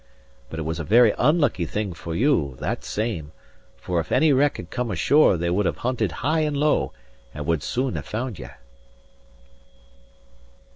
But it was a very unlucky thing for you, that same; for if any wreck had come ashore they would have hunted high and low, and would soon have found ye."